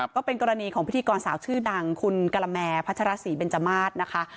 ก็เป็นกรณีของพิธีกรสาวชื่อดังคุณกะละแมพัชรศรีเบนจมาสนะคะ